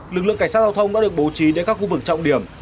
lực lượng cảnh sát giao thông đã được bố trí đến các khu vực trọng điểm